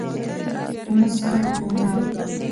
په موسکا یې وویل.